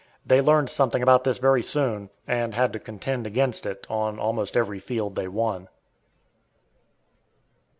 They learned something about this very soon, and had to contend against it on almost every field they won.